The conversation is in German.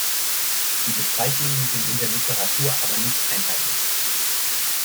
Die Bezeichnungen sind in der Literatur aber nicht einheitlich.